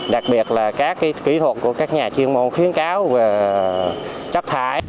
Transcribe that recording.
đặc biệt là các kỹ thuật của các nhà chuyên môn khuyến cáo về chất thải